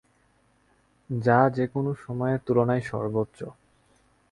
যা যেকোনো সময়ের তুলনায় সর্বোচ্চ।